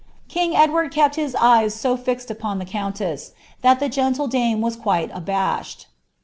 King Edward kept his eyea so filed upon the eonflWit that the gentle ilanie wae ituite abashed.